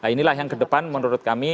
inilah yang kedepan menurut kami